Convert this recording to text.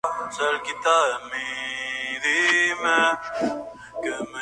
Está enterrado Necrópolis de la Muralla del Kremlin.